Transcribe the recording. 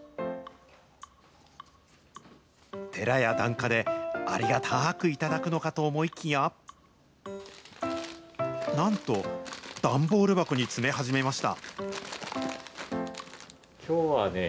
寺や檀家でありがたーく頂くのかと思いきや、なんと段ボール箱に詰め始めました。